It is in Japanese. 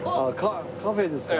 カフェですかね？